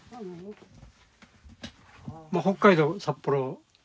北海道札幌。